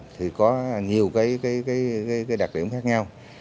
thì có nhiều cái đặc điểm khác nhau